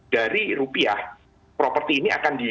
dari rupiah properti ini akan di